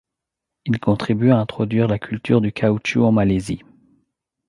Il contribue à introduire la culture du caoutchouc en Malaisie.